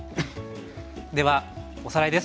ではおさらいです。